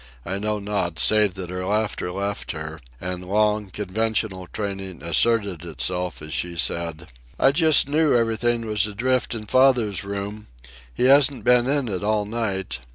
I know not, save that her laughter left her, and long conventional training asserted itself as she said: "I just knew everything was adrift in father's room. He hasn't been in it all night.